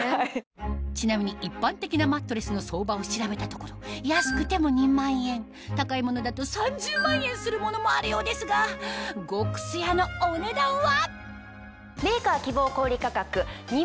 ちなみに一般的なマットレスの相場を調べたところ安くても２万円高いものだと３０万円するものもあるようですが極すやのお値段は？